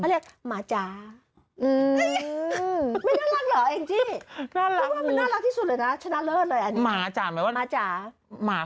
เขาเรียกหมาจ๋า